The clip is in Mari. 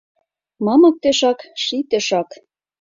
Мамык тӧшак, ший тӧшак